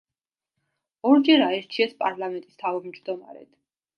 ორჯერ აირჩიეს პარლამენტის თავმჯდომარედ.